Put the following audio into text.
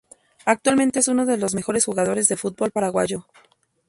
Actualmente es uno de los mejores jugadores del fútbol paraguayo.